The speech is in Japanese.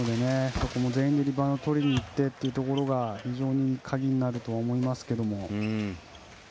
そこも全員でリバウンドをとりにいってというところが非常に鍵になると思いますけども。